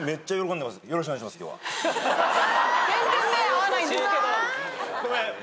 全然目合わないんですけど。